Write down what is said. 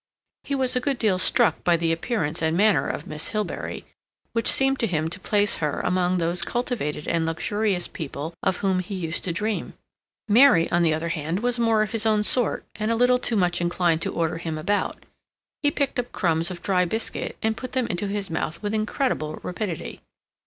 He was a good deal struck by the appearance and manner of Miss Hilbery, which seemed to him to place her among those cultivated and luxurious people of whom he used to dream. Mary, on the other hand, was more of his own sort, and a little too much inclined to order him about. He picked up crumbs of dry biscuit and put them into his mouth with incredible rapidity.